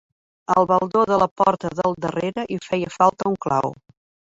Al baldó de la porta del darrere hi feia falta un clau.